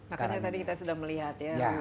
makanya tadi kita sudah melihat ya ruang sosial media